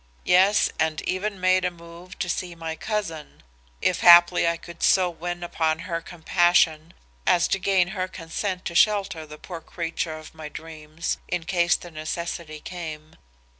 Yes, and even made a move to see my cousin, if haply I could so win upon her compassion as to gain her consent to shelter the poor creature of my dreams in case the necessity came.